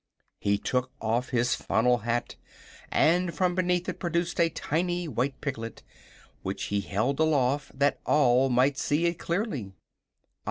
He took off his funnel hat and from beneath it produced a tiny white piglet, which he held aloft that all might see it clearly.